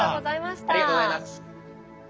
ありがとうございます。